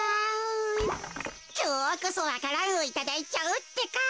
きょうこそわか蘭をいただいちゃうってか。